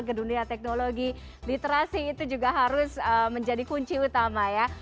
ke dunia teknologi literasi itu juga harus menjadi kunci utama ya